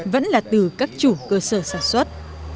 vẫn là từ các chủ cơ sở sản xuất